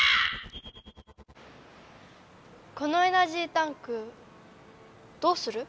このエナジータンクどうする？